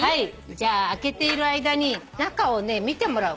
じゃあ開けている間に中を見てもらおう。